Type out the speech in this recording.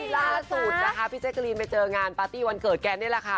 ล่าสุดนะคะพี่แจ๊กกะรีนไปเจองานปาร์ตี้วันเกิดแกนี่แหละค่ะ